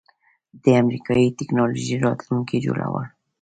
د امریکایی ټیکنالوژۍ راتلونکی جوړول